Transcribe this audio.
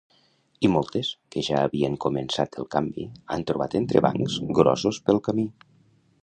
I moltes, que ja havien començat el canvi, han trobat entrebancs grossos pel camí.